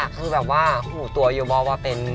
คือแบบว่าหูตัวอยู่บ้างว่าเป็น